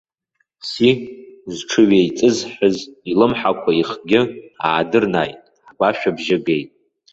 Си, зҽыҩеиҵызҳыз илымҳақәа ихгьы аадырнааит, агәашә абжьы геит!